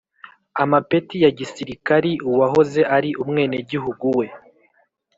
amapeti ya gisirikari uwahoze ari umwenegihugu we,